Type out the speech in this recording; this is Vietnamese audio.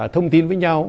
thông tin với nhau